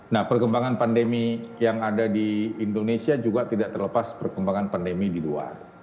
nah perkembangan pandemi yang ada di indonesia juga tidak terlepas perkembangan pandemi di luar